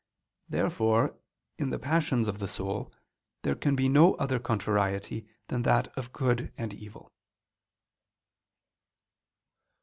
Therefore, in the passions of the soul, there can be no other contrariety than that of good and evil.